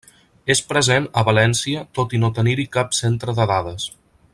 És present a València tot i no tenir-hi cap centre de dades.